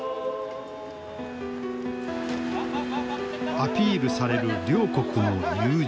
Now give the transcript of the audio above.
アピールされる両国の友情。